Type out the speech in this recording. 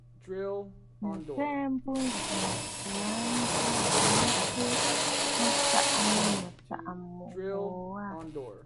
Nɨ ghɛɛ, mbù ǹzi tsiʼǐ a njwi yìi bɨ tɛ'ɛ nsaʼa nɨ mɨ̀saʼa ghu aà.